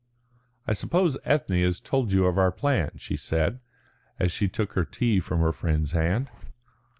"I suppose Ethne has told you of our plan," she said, as she took her tea from her friend's hand.